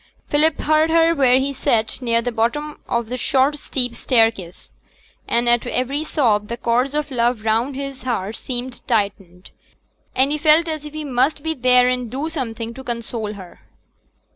Philip heard her where he sate near the bottom of the short steep staircase, and at every sob the cords of love round his heart seemed tightened, and he felt as if he must there and then do something to console her.